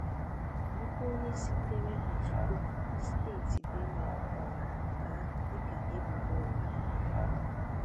bụkwa onye sitere Otukpọ na steeti Benue kọwara nke ahụ dịka ebubo ụgha